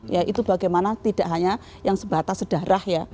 ya itu bagaimana tidak hanya yang sebatas sedarah ya